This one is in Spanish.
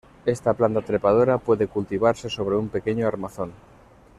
Esta planta trepadora puede cultivarse sobre un pequeño armazón.